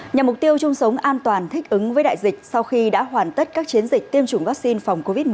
nhằm mục tiêu chung sống an toàn thích ứng với đại dịch sau khi đã hoàn tất các chiến dịch tiêm chủng vaccine phòng covid một mươi chín